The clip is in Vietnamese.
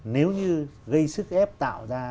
nếu như gây sức ép tạo ra